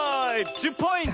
１０ポイント！